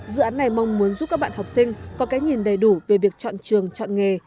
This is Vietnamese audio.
dự án này mong muốn giúp các bạn học sinh có cái nhìn đầy đủ về việc chọn trường chọn nghề